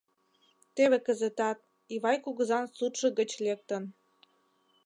Теве кызытат, Ивай кугызан суртшо гыч лектын.